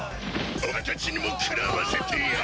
お前たちにも食らわせてやる！